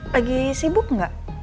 lagi sibuk nggak